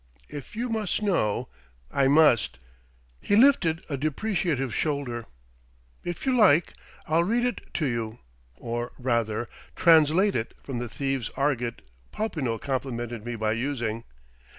"If you must know " "I must!" He lifted a depreciative shoulder. "If you like, I'll read it to you or, rather, translate it from the thieves' argot Popinot complimented me by using."